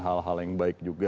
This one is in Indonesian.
hal yang baik juga